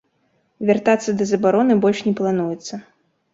Вяртацца да забароны больш не плануецца.